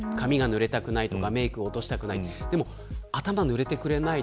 髪がぬれたくないとかメイクを落としたくないとか。